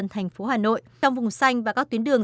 thì em mới có giấy đi đường